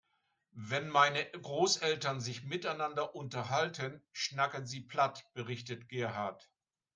"Wenn meine Großeltern sich miteinander unterhalten, schnacken sie platt", berichtet Gerhard.